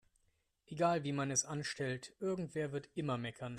Egal wie man es anstellt, irgendwer wird immer meckern.